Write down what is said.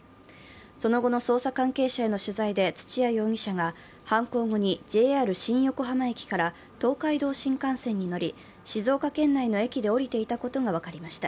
その後の捜査関係者への取材で、土屋容疑者が犯行後にＪＲ新横浜駅から東海道新幹線に乗り、静岡県内の駅で降りていたことが分かりました。